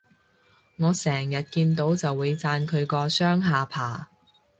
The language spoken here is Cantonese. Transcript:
我成日見到就會讚佢個雙下巴